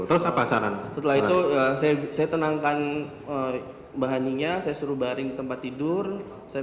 terus apa saran setelah itu saya tenangkan bahannya saya suruh baring tempat tidur saya